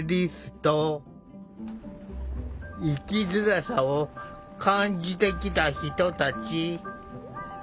生きづらさを感じてきた人たち。